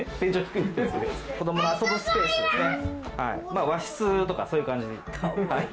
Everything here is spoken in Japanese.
まあ和室とかそういう感じ。